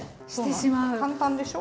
簡単でしょ。